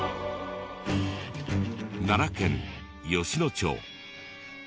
奈良県吉野町。